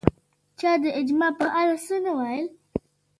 چا د اجماع په اړه څه نه ویل